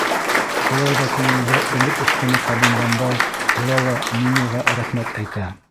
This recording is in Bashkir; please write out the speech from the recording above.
Шулай ҙа күңелдә өмөт осҡоно ҡабынғандай була ла Мимиға рәхмәт әйтә.